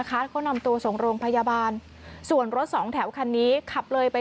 เขานำตัวส่งโรงพยาบาลส่วนรถสองแถวคันนี้ขับเลยไป